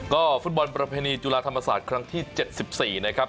ก็ฟุตบอลประเพณีจุฬาธรรมศาสตร์ครั้งที่๗๔นะครับ